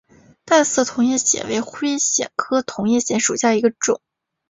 淡色同叶藓为灰藓科同叶藓属下的一个种。